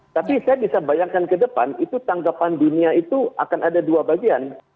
tapi saya bisa bayangkan ke depan itu tanggapan dunia itu akan ada dua bagian